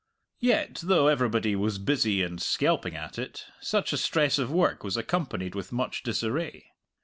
Yet, though everybody was busy and skelping at it, such a stress of work was accompanied with much disarray.